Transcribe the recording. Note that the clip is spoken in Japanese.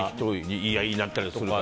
言い合いになったりとか。